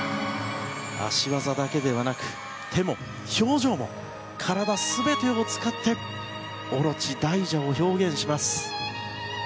脚技だけではなく手も、表情も体全てを使ってオロチ、大蛇を表現します。